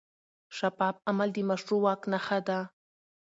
شفاف عمل د مشروع واک نښه ده.